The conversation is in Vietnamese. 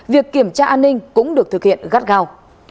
việc kiểm tra an ninh cũng được thực hiện gắt gao